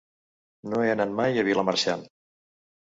No he anat mai a Vilamarxant.